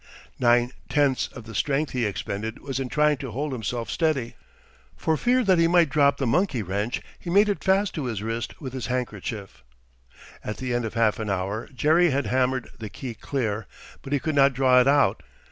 Nine tenths of the strength he expended was in trying to hold himself steady. For fear that he might drop the monkey wrench he made it fast to his wrist with his handkerchief. At the end of half an hour Jerry had hammered the key clear, but he could not draw it out.